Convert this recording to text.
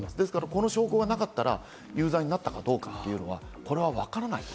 この証拠がなかったら有罪になったかどうかというのは、これはわからない。